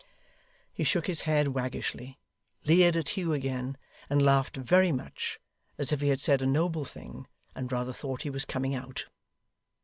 He shook his head waggishly, leered at Hugh again, and laughed very much, as if he had said a noble thing, and rather thought he was coming out.